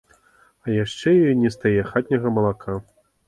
А яшчэ ёй нестае хатняга малака.